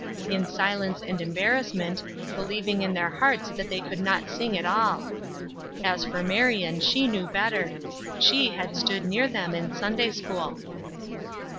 In silence and embarrassment, believing in their hearts that they could not sing at all. As for Marion, she knew better. She had stood near them in Sunday school.